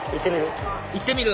行ってみる？